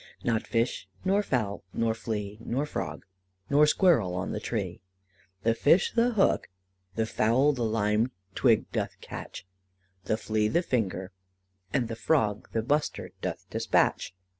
Not Fish, nor Foule, nor Fle, nor Frog. Nor Squirril on the Tree; The Fish the Hooke, the Foule The lymed Twig doth catch, The Fle the Finger, and the Frog The Bustard doth dispatch.